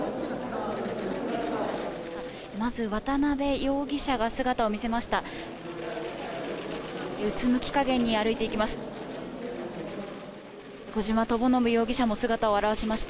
まず、渡辺容疑者が姿を見せました。